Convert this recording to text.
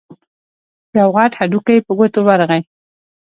يو غټ هډوکی په ګوتو ورغی.